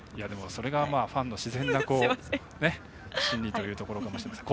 それがファンの自然な心理というところかもしれません。